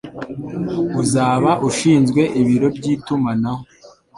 uzaba ishinzwe ibiro by'itumanaho